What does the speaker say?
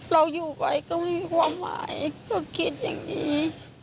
เราอยู่ไว้ก็มีความหมายก็คิดอย่างนี้